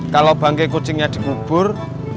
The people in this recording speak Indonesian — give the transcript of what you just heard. kalau bangke kucingnya digubur